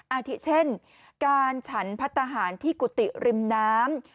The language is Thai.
อาทิเช่นการฉันพัฒนาหารที่กุฏิริมน้ำ